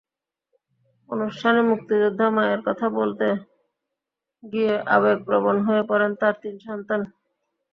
অনুষ্ঠানে মুক্তিযোদ্ধা মায়ের কথা বলতে গিয়ে আবেগপ্রবণ হয়ে পড়েন তাঁর তিন সন্তান।